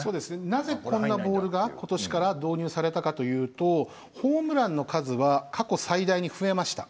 なぜこんなボールが今年から導入されたかというとホームランの数は過去最大に増えました。